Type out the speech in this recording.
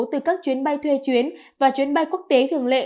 từ các chuyến bay thuê chuyến và chuyến bay quốc tế thường lệ